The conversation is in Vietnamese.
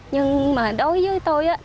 nhưng mà đối với tôi